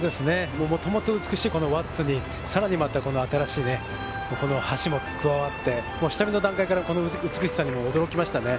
もともと美しい輪厚にさらにまた新しい橋も加わって、下見の段階から美しさに驚きましたね。